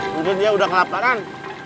mungkin dia udah kelaparan